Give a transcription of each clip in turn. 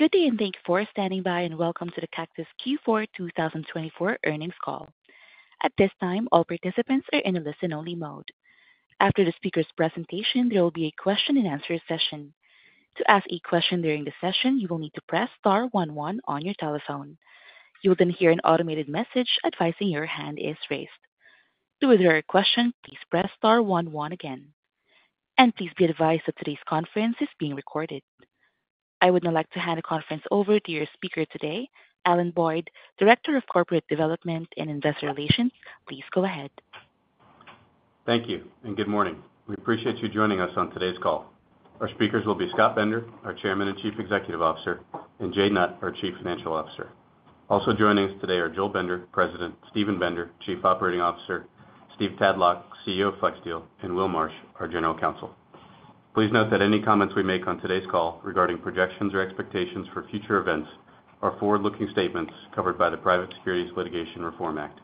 evening, and thank you for standing by, and welcome to the Cactus Q4 2024 earnings call. At this time, all participants are in a listen-only mode. After the speaker's presentation, there will be a question-and-answer session. To ask a question during the session, you will need to press star 11 on your telephone. You will then hear an automated message advising that your hand is raised. To withdraw your question, please press star 11 again. Please be advised that today's conference is being recorded. I would now like to hand the conference over to your speaker today, Alan Boyd, Director of Corporate Development and Investor Relations. Please go ahead. Thank you, and good morning. We appreciate you joining us on today's call. Our speakers will be Scott Bender, our Chairman and Chief Executive Officer, and Jay Nutt, our Chief Financial Officer. Also joining us today are Joel Bender, President; Stephen Bender, Chief Operating Officer; Steve Tadlock, CEO of FlexSteel; and Will Marsh, our General Counsel. Please note that any comments we make on today's call regarding projections or expectations for future events are forward-looking statements covered by the Private Securities Litigation Reform Act.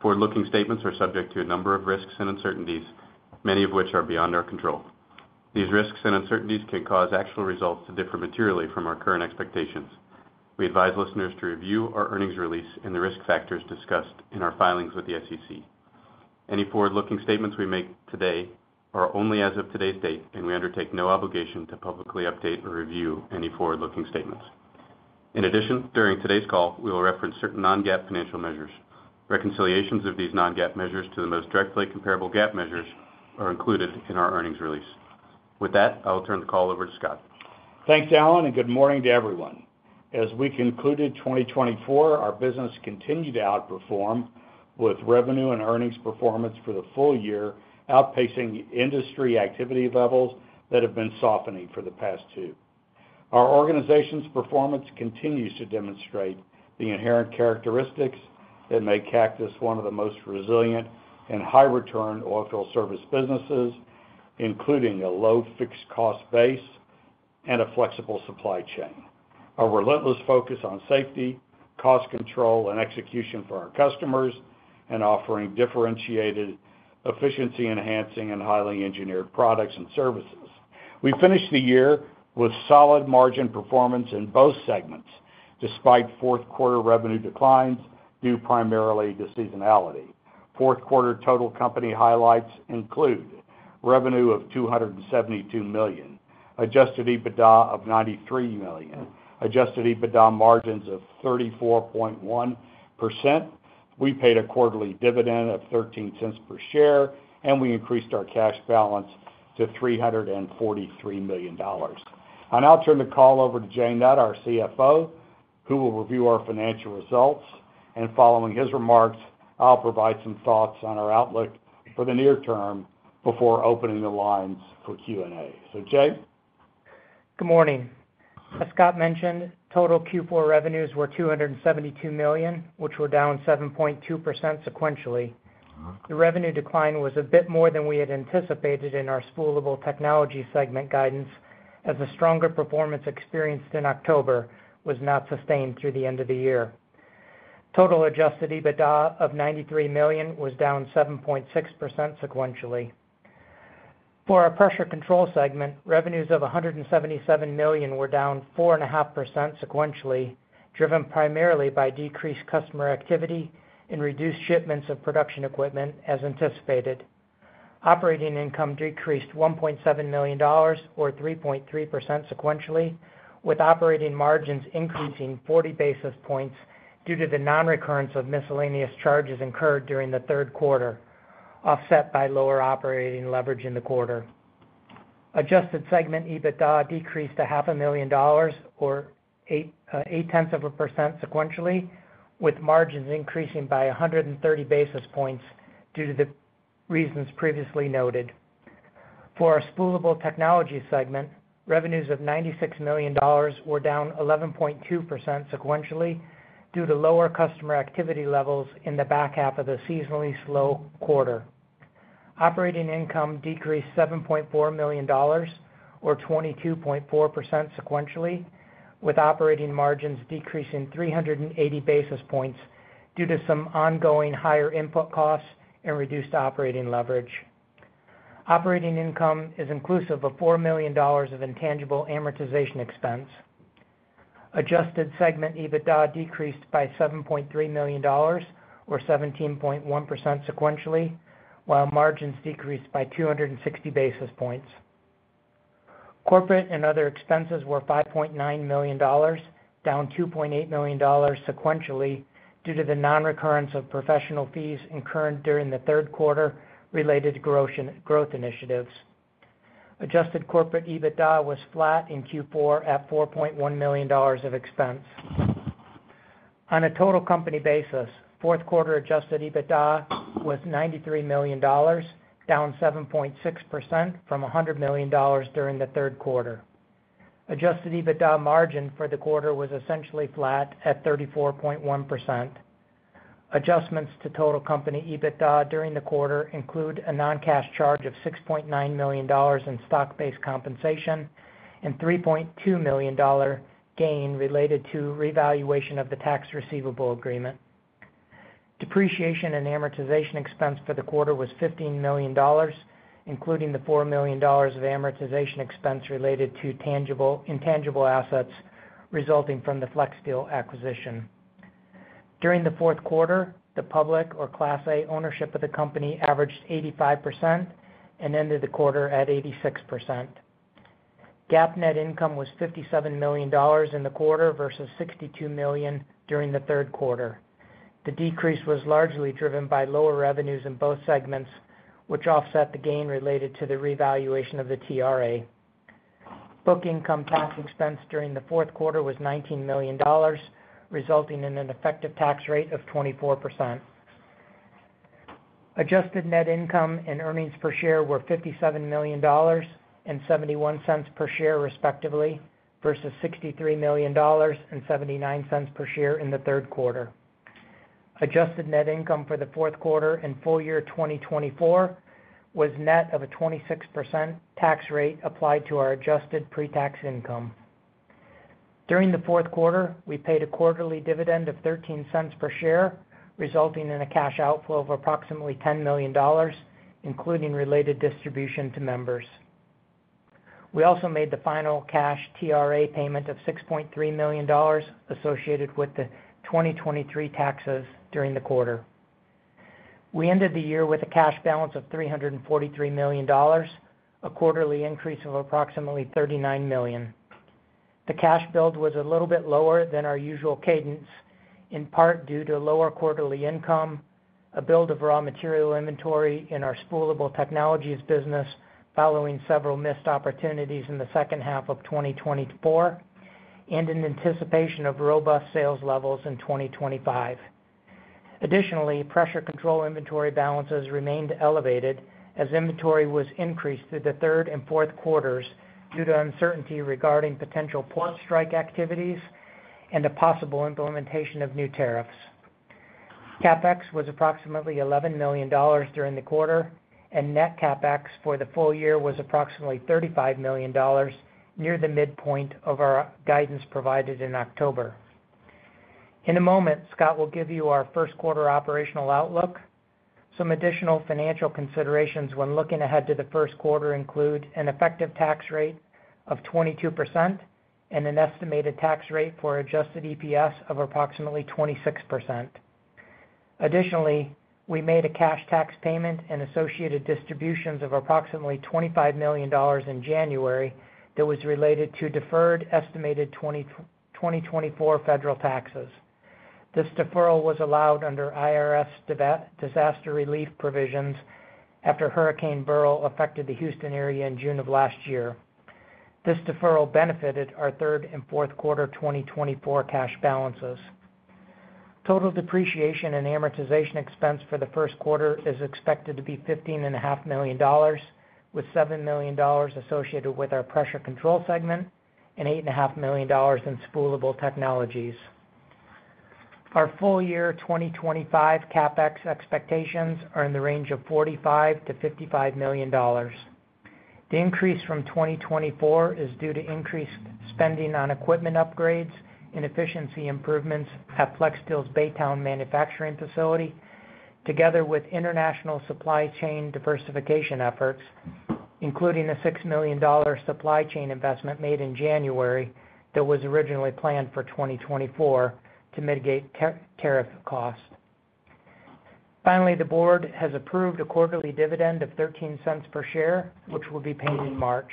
Forward-looking statements are subject to a number of risks and uncertainties, many of which are beyond our control. These risks and uncertainties can cause actual results to differ materially from our current expectations. We advise listeners to review our earnings release and the risk factors discussed in our filings with the SEC. Any forward-looking statements we make today are only as of today's date, and we undertake no obligation to publicly update or review any forward-looking statements. In addition, during today's call, we will reference certain non-GAAP financial measures. Reconciliations of these non-GAAP measures to the most directly comparable GAAP measures are included in our earnings release. With that, I will turn the call over to Scott. Thanks, Alan, and good morning to everyone. As we concluded 2024, our business continued to outperform with revenue and earnings performance for the full year, outpacing industry activity levels that have been softening for the past two. Our organization's performance continues to demonstrate the inherent characteristics that make Cactus one of the most resilient and high-return oilfield service businesses, including a low fixed cost base and a flexible supply chain. Our relentless focus on safety, cost control, and execution for our customers, and offering differentiated, efficiency-enhancing, and highly engineered products and services. We finished the year with solid margin performance in both segments, despite fourth-quarter revenue declines due primarily to seasonality. Fourth-quarter total company highlights include revenue of $272 million, adjusted EBITDA of $93 million, adjusted EBITDA margins of 34.1%. We paid a quarterly dividend of $0.13 per share, and we increased our cash balance to $343 million. And I'll turn the call over to Jay Nutt, our CFO, who will review our financial results. And following his remarks, I'll provide some thoughts on our outlook for the near term before opening the lines for Q&A. So, Jay? Good morning. As Scott mentioned, total Q4 revenues were $272 million, which were down 7.2% sequentially. The revenue decline was a bit more than we had anticipated in our Spoolable Technologies segment guidance, as a stronger performance experienced in October was not sustained through the end of the year. Total Adjusted EBITDA of $93 million was down 7.6% sequentially. For our Pressure Control segment, revenues of $177 million were down 4.5% sequentially, driven primarily by decreased customer activity and reduced shipments of production equipment, as anticipated. Operating income decreased $1.7 million, or 3.3% sequentially, with operating margins increasing 40 basis points due to the non-recurrence of miscellaneous charges incurred during the third quarter, offset by lower operating leverage in the quarter. Adjusted segment EBITDA decreased $0.5 million, or 0.8% sequentially, with margins increasing by 130 basis points due to the reasons previously noted. For our Spoolable Technologies segment, revenues of $96 million were down 11.2% sequentially due to lower customer activity levels in the back half of the seasonally slow quarter. Operating income decreased $7.4 million, or 22.4% sequentially, with operating margins decreasing 380 basis points due to some ongoing higher input costs and reduced operating leverage. Operating income is inclusive of $4 million of intangible amortization expense. Adjusted segment EBITDA decreased by $7.3 million, or 17.1% sequentially, while margins decreased by 260 basis points. Corporate and other expenses were $5.9 million, down $2.8 million sequentially due to the non-recurrence of professional fees incurred during the third quarter related to growth initiatives. Adjusted corporate EBITDA was flat in Q4 at $4.1 million of expense. On a total company basis, fourth-quarter adjusted EBITDA was $93 million, down 7.6% from $100 million during the third quarter. Adjusted EBITDA margin for the quarter was essentially flat at 34.1%. Adjustments to total company EBITDA during the quarter include a non-cash charge of $6.9 million in stock-based compensation and $3.2 million gain related to revaluation of the Tax Receivable Agreement. Depreciation and amortization expense for the quarter was $15 million, including the $4 million of amortization expense related to intangible assets resulting from the FlexSteel acquisition. During the fourth quarter, the public or Class A ownership of the company averaged 85% and ended the quarter at 86%. GAAP net income was $57 million in the quarter versus $62 million during the third quarter. The decrease was largely driven by lower revenues in both segments, which offset the gain related to the revaluation of the TRA. Book income tax expense during the fourth quarter was $19 million, resulting in an effective tax rate of 24%. Adjusted net income and earnings per share were $57 million and $0.71 per share, respectively, versus $63 million and $0.79 per share in the third quarter. Adjusted net income for the fourth quarter and full year 2024 was net of a 26% tax rate applied to our adjusted pre-tax income. During the fourth quarter, we paid a quarterly dividend of $0.13 per share, resulting in a cash outflow of approximately $10 million, including related distribution to members. We also made the final cash TRA payment of $6.3 million associated with the 2023 taxes during the quarter. We ended the year with a cash balance of $343 million, a quarterly increase of approximately $39 million. The cash build was a little bit lower than our usual cadence, in part due to lower quarterly income, a build of raw material inventory in our spoolable technologies business following several missed opportunities in the second half of 2024, and in anticipation of robust sales levels in 2025. Additionally, pressure control inventory balances remained elevated as inventory was increased through the third and fourth quarters due to uncertainty regarding potential port strike activities and a possible implementation of new tariffs. CapEx was approximately $11 million during the quarter, and net CapEx for the full year was approximately $35 million, near the midpoint of our guidance provided in October. In a moment, Scott will give you our first-quarter operational outlook. Some additional financial considerations when looking ahead to the first quarter include an effective tax rate of 22% and an estimated tax rate for adjusted EPS of approximately 26%. Additionally, we made a cash tax payment and associated distributions of approximately $25 million in January that was related to deferred estimated 2024 federal taxes. This deferral was allowed under IRS disaster relief provisions after Hurricane Beryl affected the Houston area in June of last year. This deferral benefited our third and fourth quarter 2024 cash balances. Total depreciation and amortization expense for the first quarter is expected to be $15.5 million, with $7 million associated with our Pressure Control segment and $8.5 million in Spoolable Technologies. Our full year 2025 CapEx expectations are in the range of $45million -$55 million. The increase from 2024 is due to increased spending on equipment upgrades and efficiency improvements at FlexSteel's Baytown manufacturing facility, together with international supply chain diversification efforts, including a $6 million supply chain investment made in January that was originally planned for 2024 to mitigate tariff costs. Finally, the board has approved a quarterly dividend of $0.13 per share, which will be paid in March.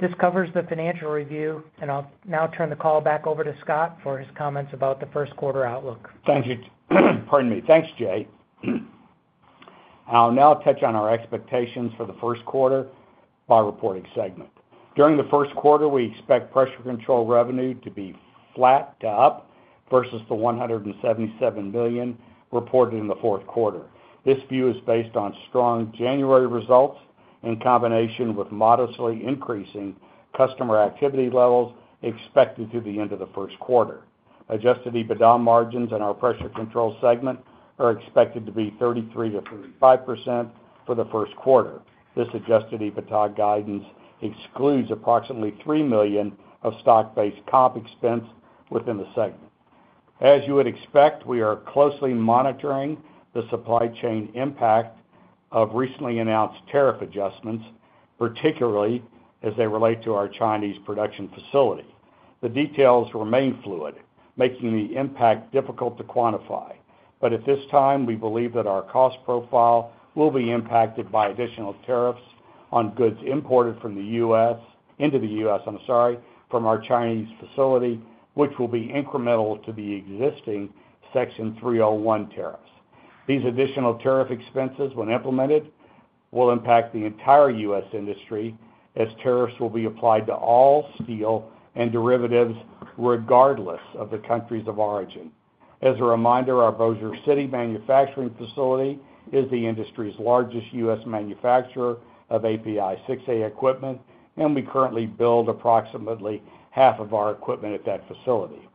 This covers the financial review, and I'll now turn the call back over to Scott for his comments about the first-quarter outlook. Thank you. Pardon me. Thanks, Jay. I'll now touch on our expectations for the first quarter by reporting segment. During the first quarter, we expect Pressure Control revenue to be flat to up versus the $177 million reported in the fourth quarter. This view is based on strong January results in combination with modestly increasing customer activity levels expected through the end of the first quarter. Adjusted EBITDA margins in our Pressure Control segment are expected to be 33%-35% for the first quarter. This adjusted EBITDA guidance excludes approximately $3 million of stock-based comp expense within the segment. As you would expect, we are closely monitoring the supply chain impact of recently announced tariff adjustments, particularly as they relate to our Chinese production facility. The details remain fluid, making the impact difficult to quantify. But at this time, we believe that our cost profile will be impacted by additional tariffs on goods imported from the U.S. into the U.S., I'm sorry, from our Chinese facility, which will be incremental to the existing Section 301 tariffs. These additional tariff expenses, when implemented, will impact the entire U.S. industry as tariffs will be applied to all steel and derivatives regardless of the countries of origin. As a reminder, our Bossier City manufacturing facility is the industry's largest U.S. manufacturer of API 6A equipment, and we currently build approximately half of our equipment at that facility.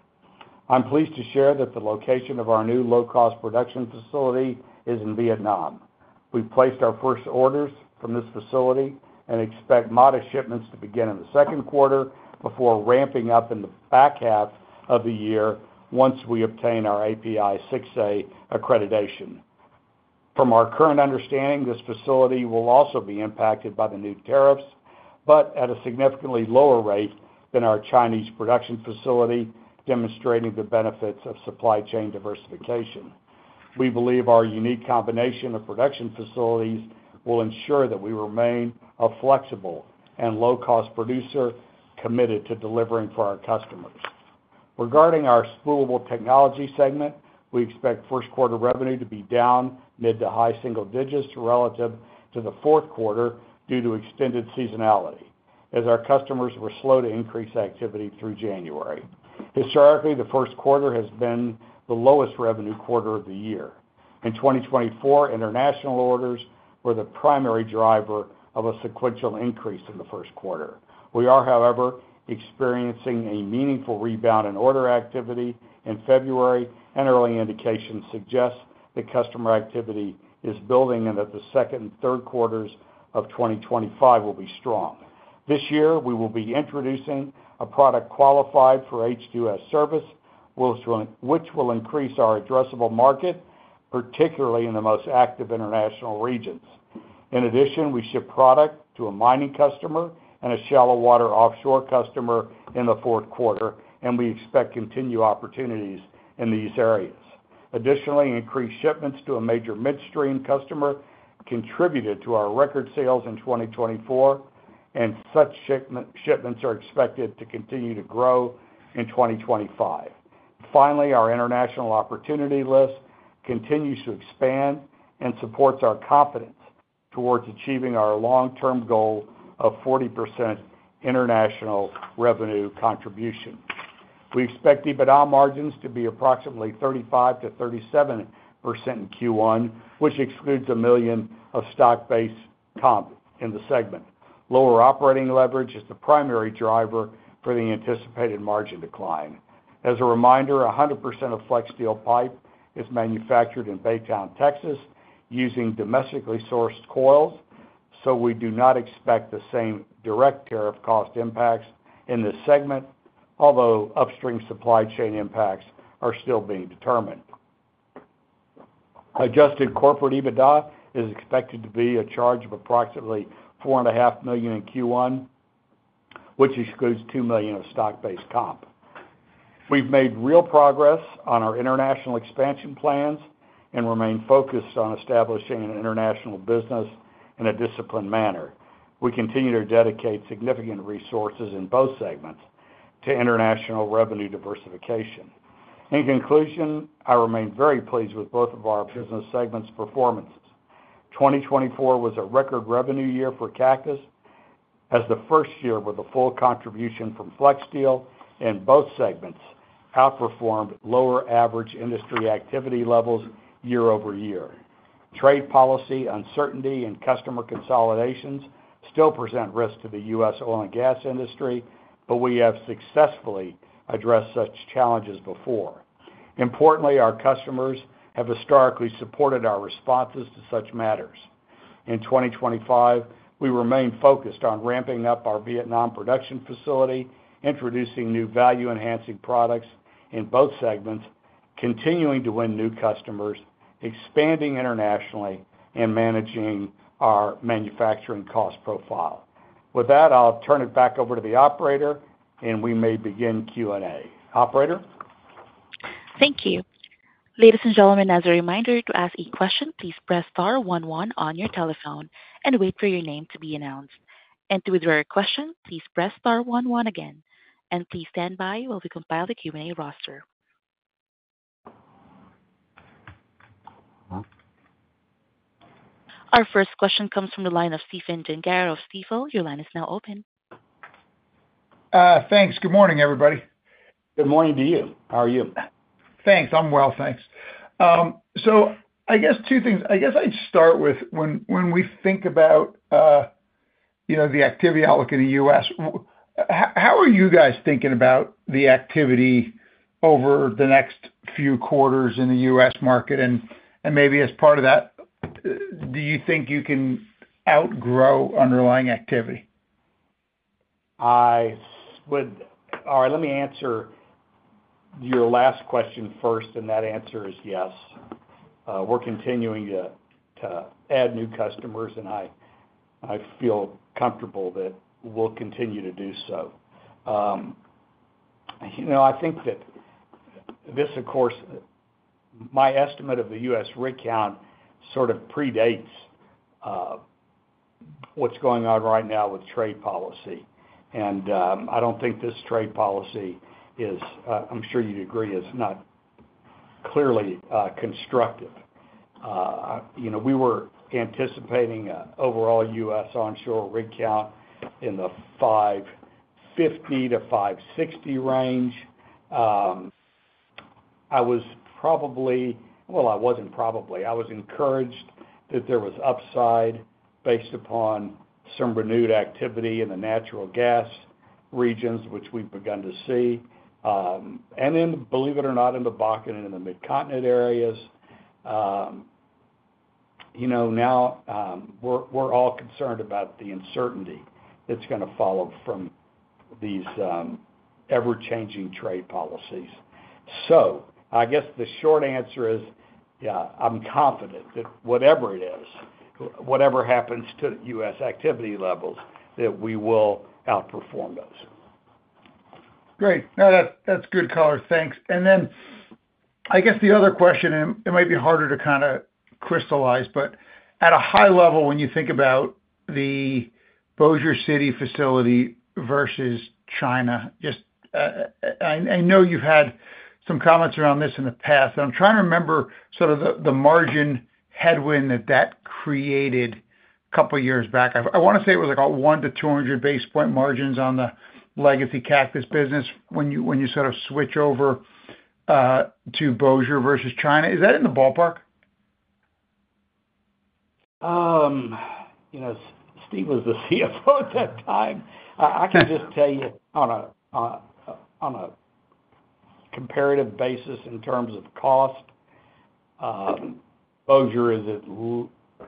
I'm pleased to share that the location of our new low-cost production facility is in Vietnam. We placed our first orders from this facility and expect modest shipments to begin in the second quarter before ramping up in the back half of the year once we obtain our API 6A accreditation. From our current understanding, this facility will also be impacted by the new tariffs, but at a significantly lower rate than our Chinese production facility, demonstrating the benefits of supply chain diversification. We believe our unique combination of production facilities will ensure that we remain a flexible and low-cost producer committed to delivering for our customers. Regarding our spoolable technology segment, we expect first-quarter revenue to be down mid to high single digits relative to the fourth quarter due to extended seasonality, as our customers were slow to increase activity through January. Historically, the first quarter has been the lowest revenue quarter of the year. In 2024, international orders were the primary driver of a sequential increase in the first quarter. We are, however, experiencing a meaningful rebound in order activity in February, and early indications suggest that customer activity is building and that the second and third quarters of 2025 will be strong. This year, we will be introducing a product qualified for H2S service, which will increase our addressable market, particularly in the most active international regions. In addition, we ship product to a mining customer and a shallow water offshore customer in the fourth quarter, and we expect continued opportunities in these areas. Additionally, increased shipments to a major midstream customer contributed to our record sales in 2024, and such shipments are expected to continue to grow in 2025. Finally, our international opportunity list continues to expand and supports our confidence towards achieving our long-term goal of 40% international revenue contribution. We expect EBITDA margins to be approximately 35%-37% in Q1, which excludes $1 million of stock-based comp in the segment. Lower operating leverage is the primary driver for the anticipated margin decline. As a reminder, 100% of FlexSteel pipe is manufactured in Baytown, Texas, using domestically sourced coils, so we do not expect the same direct tariff cost impacts in this segment, although upstream supply chain impacts are still being determined. Adjusted corporate EBITDA is expected to be a charge of approximately $4.5 million in Q1, which excludes $2 million of stock-based comp. We've made real progress on our international expansion plans and remain focused on establishing an international business in a disciplined manner. We continue to dedicate significant resources in both segments to international revenue diversification. In conclusion, I remain very pleased with both of our business segments' performances. 2024 was a record revenue year for Cactus as the first year with a full contribution from FlexSteel in both segments, outperformed lower average industry activity levels year over year. Trade policy uncertainty and customer consolidations still present risk to the U.S. oil and gas industry, but we have successfully addressed such challenges before. Importantly, our customers have historically supported our responses to such matters. In 2025, we remain focused on ramping up our Vietnam production facility, introducing new value-enhancing products in both segments, continuing to win new customers, expanding internationally, and managing our manufacturing cost profile. With that, I'll turn it back over to the operator, and we may begin Q&A. Operator. Thank you. Ladies and gentlemen, as a reminder to ask a question, please press star 11 on your telephone and wait for your name to be announced, and to withdraw your question, please press star 11 again, and please stand by while we compile the Q&A roster. Our first question comes from the line of Stephen Gengaro of Stifel. Your line is now open. Thanks. Good morning, everybody. Good morning to you. How are you? Thanks. I'm well. Thanks. So I guess two things. I guess I'd start with when we think about the activity outlook in the U.S., how are you guys thinking about the activity over the next few quarters in the U.S. market? And maybe as part of that, do you think you can outgrow underlying activity? All right. Let me answer your last question first, and that answer is yes. We're continuing to add new customers, and I feel comfortable that we'll continue to do so. I think that this, of course, my estimate of the U.S. rig count sort of predates what's going on right now with trade policy. And I don't think this trade policy is, I'm sure you'd agree, is not clearly constructive. We were anticipating an overall U.S. onshore rig count in the 550-560 range. I was probably, well, I wasn't probably. I was encouraged that there was upside based upon some renewed activity in the natural gas regions, which we've begun to see. And then, believe it or not, in the Bakken and in the Mid-continent areas. Now, we're all concerned about the uncertainty that's going to follow from these ever-changing trade policies. So I guess the short answer is, yeah, I'm confident that whatever it is, whatever happens to U.S. activity levels, that we will outperform those. Great. No, that's good color. Thanks. And then I guess the other question, and it might be harder to kind of crystallize, but at a high level, when you think about the Bossier City facility versus China, just I know you've had some comments around this in the past, and I'm trying to remember sort of the margin headwind that that created a couple of years back. I want to say it was like 1-200 basis points on the legacy Cactus business when you sort of switch over to Bossier versus China. Is that in the ballpark? Steve was the CFO at that time. I can just tell you on a comparative basis in terms of cost, Bossier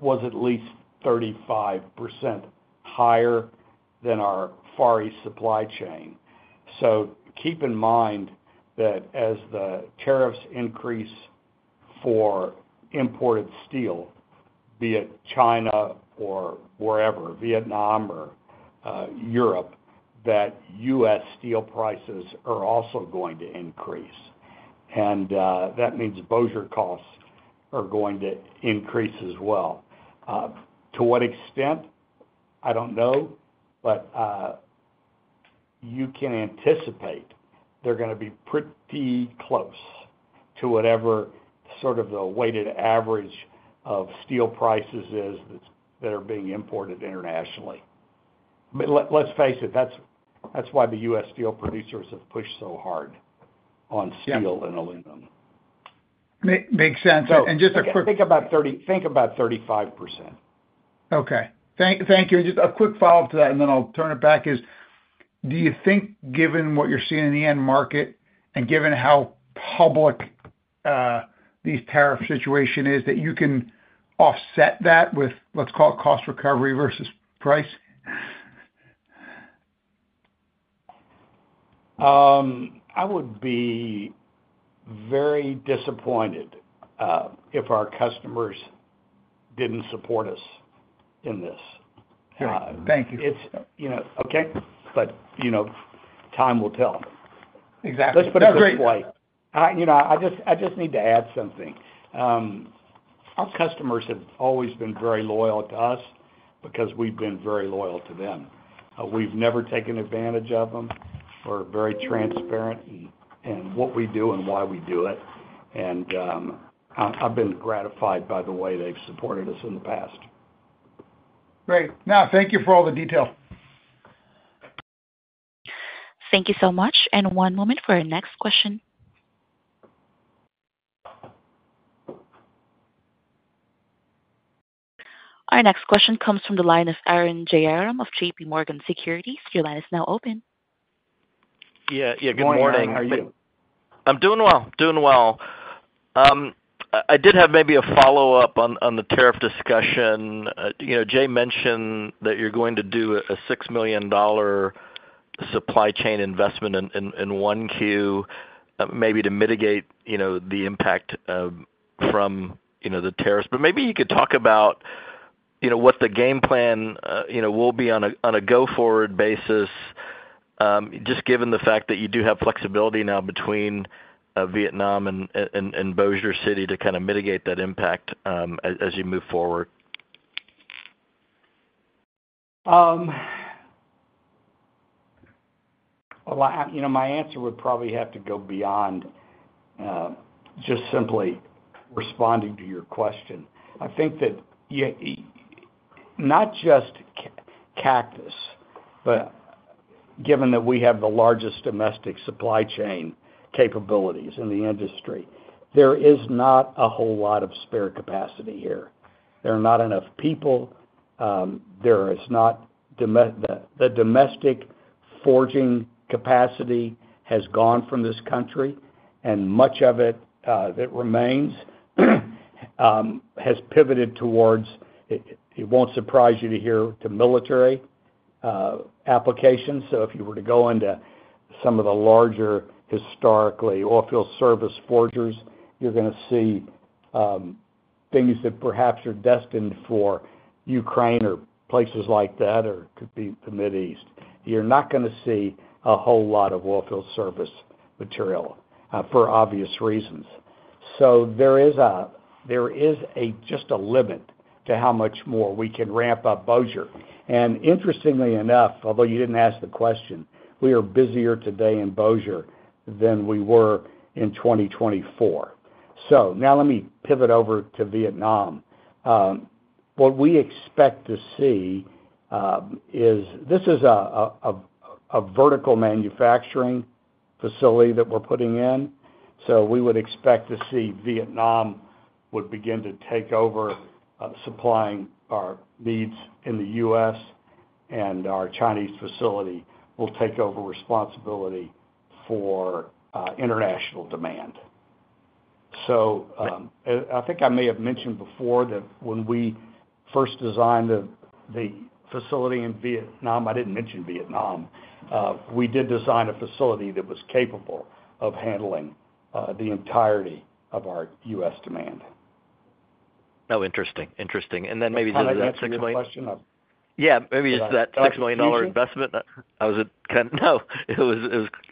was at least 35% higher than our Far East supply chain. So keep in mind that as the tariffs increase for imported steel, be it China or wherever, Vietnam or Europe, that U.S. steel prices are also going to increase. And that means Bossier costs are going to increase as well. To what extent? I don't know, but you can anticipate they're going to be pretty close to whatever sort of the weighted average of steel prices is that are being imported internationally. Let's face it, that's why the U.S. steel producers have pushed so hard on steel and aluminum. Makes sense, and just a quick. I think about 35%. Okay. Thank you. And just a quick follow-up to that, and then I'll turn it back. Do you think, given what you're seeing in the end market and given how public these tariff situation is, that you can offset that with, let's call it, cost recovery versus price? I would be very disappointed if our customers didn't support us in this. Great. Thank you. Okay. But time will tell. Exactly. That's great. But at this point, I just need to add something. Our customers have always been very loyal to us because we've been very loyal to them. We've never taken advantage of them. We're very transparent in what we do and why we do it. And I've been gratified by the way they've supported us in the past. Great. No, thank you for all the detail. Thank you so much, and one moment for our next question. Our next question comes from the line of Arun Jayaram of J.P. Morgan Securities. Your line is now open. Yeah. Yeah. Good morning. How are you? Morning. I'm doing well. Doing well. I did have maybe a follow-up on the tariff discussion. Jay mentioned that you're going to do a $6 million supply chain investment in Q1, maybe to mitigate the impact from the tariffs. But maybe you could talk about what the game plan will be on a go-forward basis, just given the fact that you do have flexibility now between Vietnam and Bossier City to kind of mitigate that impact as you move forward. My answer would probably have to go beyond just simply responding to your question. I think that not just Cactus, but given that we have the largest domestic supply chain capabilities in the industry, there is not a whole lot of spare capacity here. There are not enough people. The domestic forging capacity has gone from this country, and much of it that remains has pivoted towards, it won't surprise you to hear, to military applications. So if you were to go into some of the larger historically oilfield service forgers, you're going to see things that perhaps are destined for Ukraine or places like that, or it could be the Middle East. You're not going to see a whole lot of oilfield service material for obvious reasons. So there is just a limit to how much more we can ramp up Bossier. Interestingly enough, although you didn't ask the question, we are busier today in Bossier than we were in 2024. So now let me pivot over to Vietnam. What we expect to see is this is a vertical manufacturing facility that we're putting in. So we would expect to see Vietnam would begin to take over supplying our needs in the U.S., and our Chinese facility will take over responsibility for international demand. So I think I may have mentioned before that when we first designed the facility in Vietnam, I didn't mention Vietnam, we did design a facility that was capable of handling the entirety of our U.S. demand. Oh, interesting. Interesting, and then maybe that's six million. Sorry. Is that the question? Yeah. Maybe, is that $6 million investment? I was kind of—no, it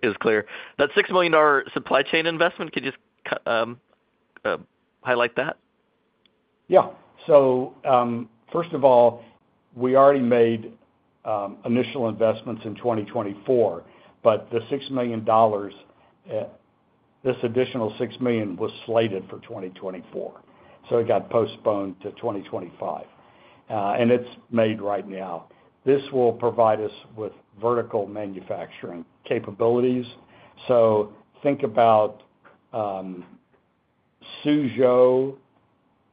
was clear. That $6 million supply chain investment, could you just highlight that? Yeah. So first of all, we already made initial investments in 2024, but this additional $6 million was slated for 2024. So it got postponed to 2025. And it's made right now. This will provide us with vertical manufacturing capabilities. So think about Suzhou,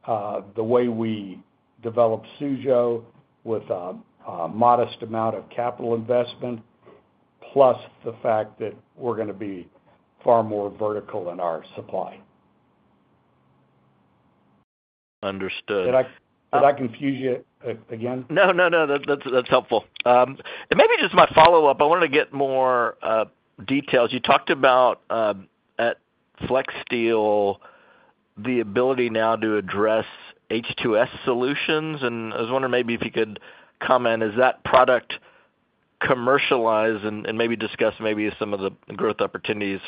the way we develop Suzhou with a modest amount of capital investment, plus the fact that we're going to be far more vertical in our supply. Understood. Did I confuse you again? No, no, no. That's helpful. And maybe just my follow-up. I wanted to get more details. You talked about at FlexSteel the ability now to address H2S solutions. And I was wondering maybe if you could comment, is that product commercialized and maybe discuss maybe some of the growth opportunities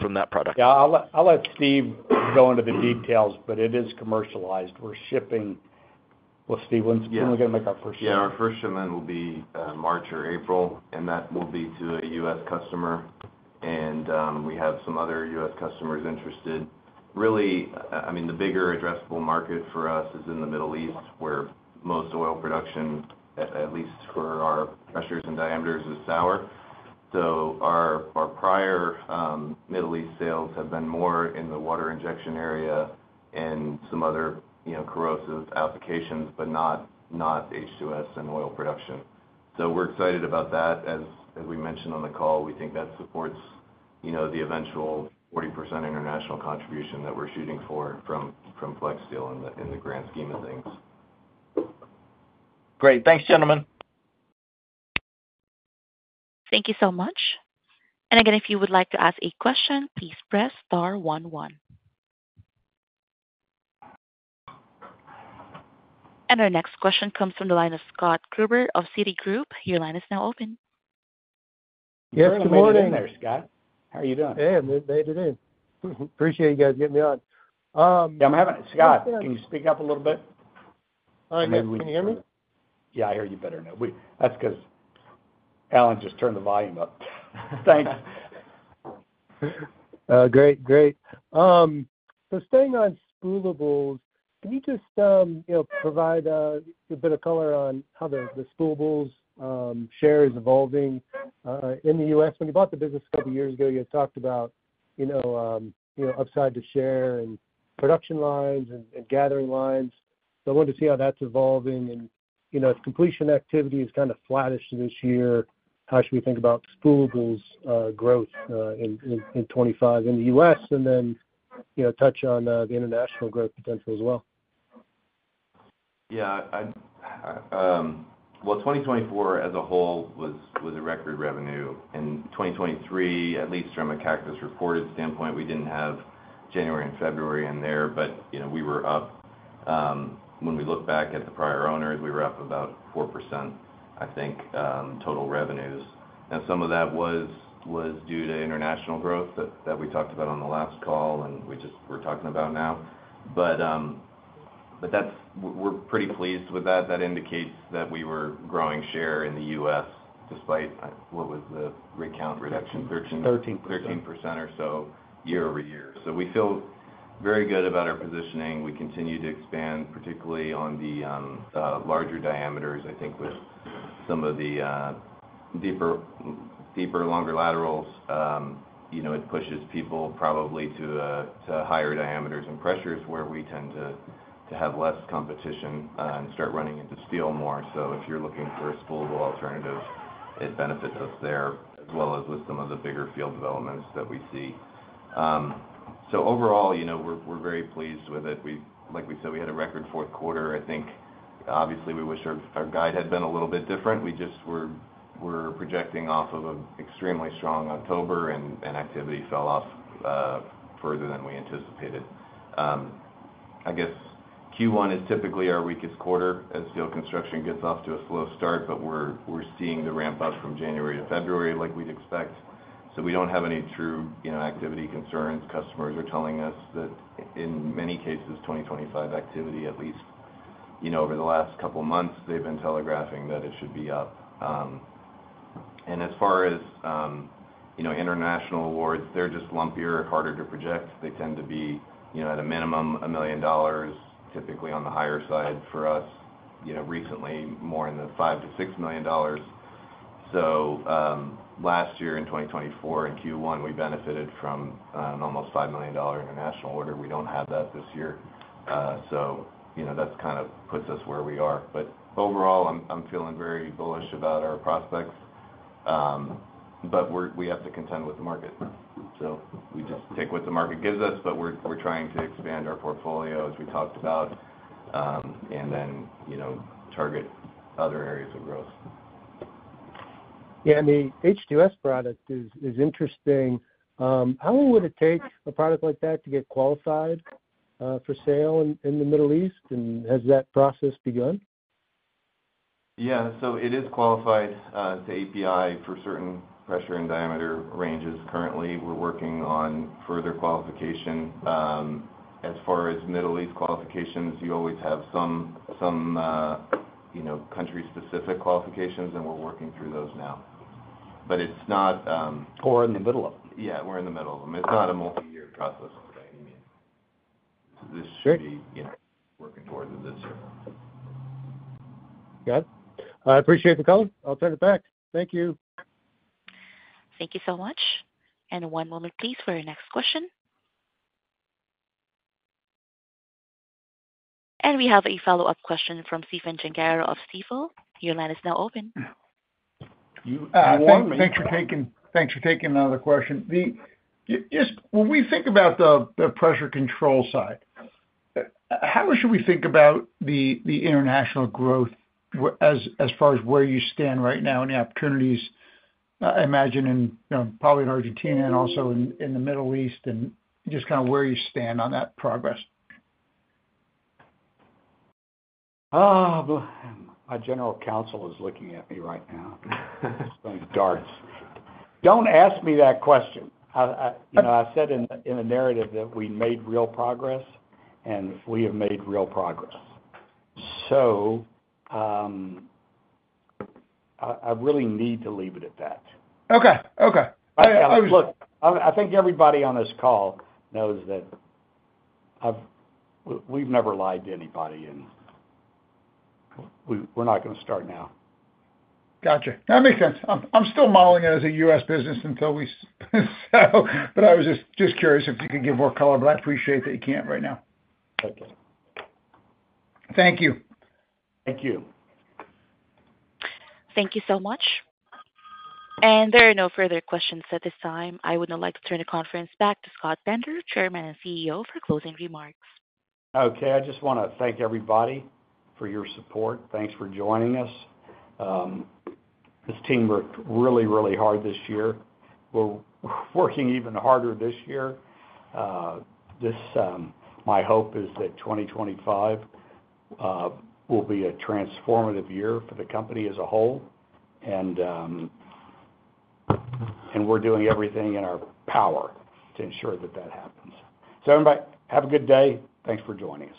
from that product? Yeah. I'll let Steve go into the details, but it is commercialized. We're shipping. Well, Steve, when are we going to make our first shipment? Yeah. Our first shipment will be March or April, and that will be to a U.S. customer. And we have some other U.S. customers interested. Really, I mean, the bigger addressable market for us is in the Middle East, where most oil production, at least for our pressures and diameters, is sour. So our prior Middle East sales have been more in the water injection area and some other corrosive applications, but not H2S and oil production. So we're excited about that. As we mentioned on the call, we think that supports the eventual 40% international contribution that we're shooting for from FlexSteel in the grand scheme of things. Great. Thanks, gentlemen. Thank you so much. And again, if you would like to ask a question, please press star 11. And our next question comes from the line of Scott Gruber of Citigroup. Your line is now open. Yes. Good morning. Good morning there, Scott. How are you doing? Hey. Good day to you. Appreciate you guys getting me on. Yeah. Scott, can you speak up a little bit? Can you hear me? Yeah. I hear you better now. That's because Alan just turned the volume up. Thanks. Great. Great. So staying on spoolables, can you just provide a bit of color on how the spoolables share is evolving in the U.S.? When you bought the business a couple of years ago, you had talked about upside to share and production lines and gathering lines. So I wanted to see how that's evolving. And if completion activity is kind of flattish this year, how should we think about spoolables growth in 2025 in the U.S.? And then touch on the international growth potential as well. Yeah. Well, 2024 as a whole was a record revenue. In 2023, at least from a Cactus reported standpoint, we didn't have January and February in there, but we were up. When we look back at the prior owners, we were up about 4%, I think, total revenues. Now, some of that was due to international growth that we talked about on the last call and we're talking about now. But we're pretty pleased with that. That indicates that we were growing share in the U.S. despite what was the rig count reduction? 13%. 13% or so year over year. So we feel very good about our positioning. We continue to expand, particularly on the larger diameters. I think with some of the deeper, longer laterals, it pushes people probably to higher diameters and pressures where we tend to have less competition and start running into steel more. So if you're looking for a spoolable alternative, it benefits us there as well as with some of the bigger field developments that we see. So overall, we're very pleased with it. Like we said, we had a record fourth quarter. I think, obviously, we wish our guide had been a little bit different. We just were projecting off of an extremely strong October, and activity fell off further than we anticipated. I guess Q1 is typically our weakest quarter as steel construction gets off to a slow start, but we're seeing the ramp up from January to February like we'd expect. So we don't have any true activity concerns. Customers are telling us that, in many cases, 2025 activity, at least over the last couple of months, they've been telegraphing that it should be up. And as far as international awards, they're just lumpier, harder to project. They tend to be, at a minimum, $1 million, typically on the higher side for us. Recently, more in the $5 million-$6 million. So last year in 2024, in Q1, we benefited from an almost $5 million international order. We don't have that this year. So that kind of puts us where we are. But overall, I'm feeling very bullish about our prospects, but we have to contend with the market. So we just take what the market gives us, but we're trying to expand our portfolio, as we talked about, and then target other areas of growth. Yeah. And the H2S product is interesting. How long would it take a product like that to get qualified for sale in the Middle East? And has that process begun? Yeah. So it is qualified to API for certain pressure and diameter ranges. Currently, we're working on further qualification. As far as Middle East qualifications, you always have some country-specific qualifications, and we're working through those now. But it's not. Or in the middle of them? Yeah. We're in the middle of them. It's not a multi-year process, is what I mean. This should be working towards it this year. Good. I appreciate the call. I'll turn it back. Thank you. Thank you so much. And one moment, please, for our next question. And we have a follow-up question from Stephen Gengaro of Stifel. Your line is now open. Thanks for taking another question. When we think about the pressure control side, how should we think about the international growth as far as where you stand right now and the opportunities, I imagine, probably in Argentina and also in the Middle East, and just kind of where you stand on that progress? My general counsel is looking at me right now. It's going dark. Don't ask me that question. I said in the narrative that we made real progress, and we have made real progress. So I really need to leave it at that. Okay. Okay. Look, I think everybody on this call knows that we've never lied to anybody, and we're not going to start now. Gotcha. That makes sense. I'm still modeling it as a U.S. business until we sell. But I was just curious if you could give more color, but I appreciate that you can't right now. Okay. Thank you. Thank you. Thank you so much. And there are no further questions at this time. I would now like to turn the conference back to Scott Bender, Chairman and CEO, for closing remarks. Okay. I just want to thank everybody for your support. Thanks for joining us. This team worked really, really hard this year. We're working even harder this year. My hope is that 2025 will be a transformative year for the company as a whole. And we're doing everything in our power to ensure that that happens. So everybody, have a good day. Thanks for joining us.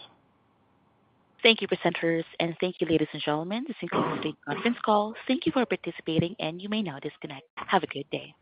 Thank you, presenters. Thank you, ladies and gentlemen. This concludes today's conference call. Thank you for participating, and you may now disconnect. Have a good day.